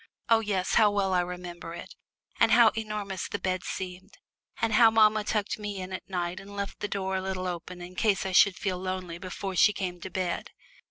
Oh yes, how well I remembered it, and how enormous the bed seemed, and how mamma tucked me in at night and left the door a little open in case I should feel lonely before she came to bed.